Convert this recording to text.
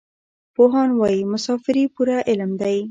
پوهان وايي مسافري پوره علم دی.